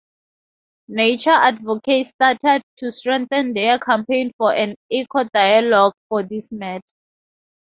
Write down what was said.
Nature advocates started to strengthen their campaign for an eco-dialogue for this matter.